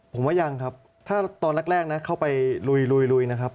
ผมว่ายังครับถ้าตอนแรกนะเข้าไปลุยนะครับ